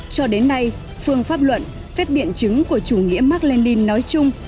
cho đến nay phương pháp luận phép biện chứng của chủ nghĩa mark lenin nói chung